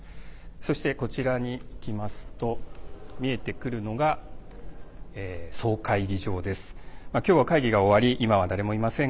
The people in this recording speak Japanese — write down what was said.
そして、こちらに行きますと見えてくるのが総会議場です。